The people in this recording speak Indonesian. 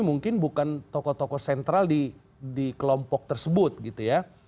mungkin bukan tokoh tokoh sentral di kelompok tersebut gitu ya